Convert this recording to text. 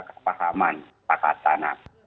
kepahaman pasal tanah